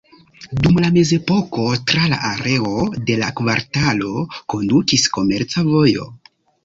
Dum la mezepoko tra la areo de la kvartalo kondukis komerca vojo.